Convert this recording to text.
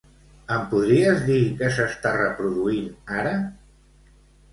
Em podries dir què s'està reproduint ara?